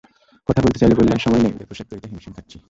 কথা বলতে চাইলে বললেন, সময় নেই, ঈদের পোশাক তৈরিতে হিমশিম খাচ্ছি।